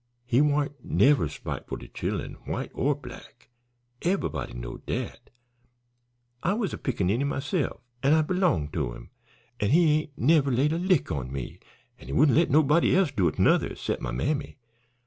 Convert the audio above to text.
He warn't never spiteful to chillen, white or black. Eve'ybody knowed dat. I was a pickaninny myse'f, an' I belonged to him. An' he ain't never laid a lick on me, an' he wouldn't let nobody else do 't nuther, 'cept my mammy.